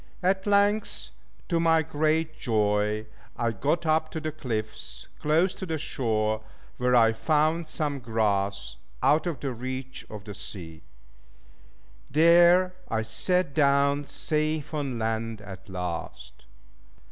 At length, to my great joy, I got up to the cliffs close to the shore, where I found some grass, out of the reach of the sea. There, I sat down, safe on land at last.